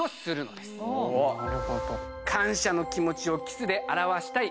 感謝の気持ちをキスで表したいＭＪ。